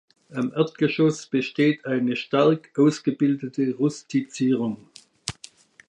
Am Erdgeschoss besteht eine stark ausgebildete Rustizierung.